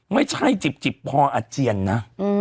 ไม่ใช่จิบพออาเจียนนะ